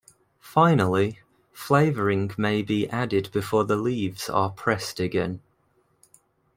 Finally, flavoring may be added before the leaves are pressed again.